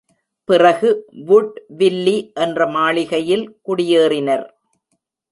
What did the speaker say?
பிறகு வுட்வில்லி என்ற மாளிகையில் குடியேறினர்.